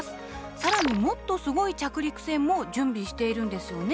さらにもっとすごい着陸船も準備しているんですよね？